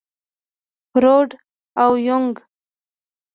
فروډ او يونګ.